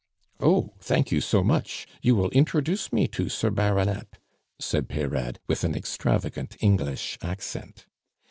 "Oh! Thank you so much, you will introduce me to Sir Baronet?" said Peyrade with an extravagant English accent.